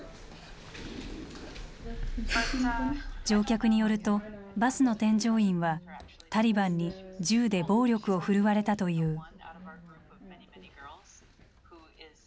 乗客によるとバスの添乗員はタリバンに銃で暴力を振るわれたという。